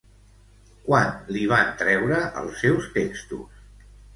Quan li van treure els seus textos?